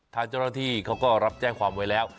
ฐานเจราะที่เขาก็รับแจ้งความไว้แล้ว